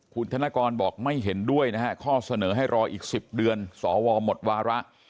คุณธนกรบอกไม่เห็นด้วยนะฮะข้อเสนอให้รออีก๑๐เดือนสวหมดวาระ